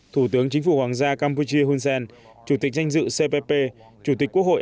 thủ tướng chính phủ hoàng gia campuchia hun sen chủ tịch danh dự cpp chủ tịch quốc hội